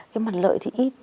cái mặt lợi thì ít